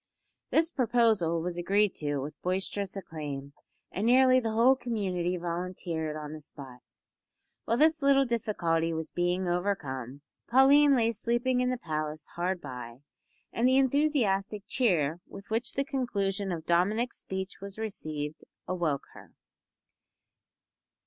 This proposal was agreed to with boisterous acclaim, and nearly the whole community volunteered on the spot. While this little difficulty was being overcome, Pauline lay sleeping in the palace hard by, and the enthusiastic cheer with which the conclusion of Dominick's speech was received awoke her.